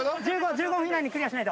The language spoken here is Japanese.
１５分以内にクリアしないと。